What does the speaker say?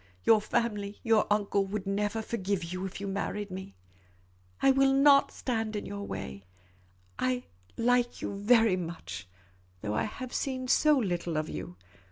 Your family, your uncle, would never forgive you if you married me. I will not stand in your way. I — I like you very much, though I have seen so little of you.